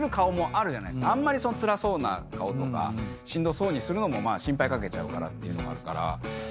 あんまりつらそうな顔とかしんどそうにするのも心配掛けちゃうからっていうのがあるから。